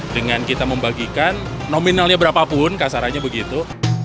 dengan kita membagikan nominalnya berapapun kasarannya begitu